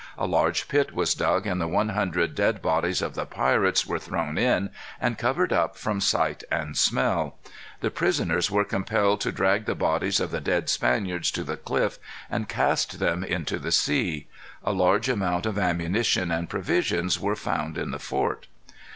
A large pit was dug and the one hundred dead bodies of the pirates were thrown in and covered up from sight and smell. The prisoners were compelled to drag the bodies of the dead Spaniards to the cliff, and cast them into the sea. A large amount of ammunition and provisions were found in the fort.